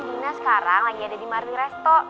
dina sekarang lagi ada di mardi resto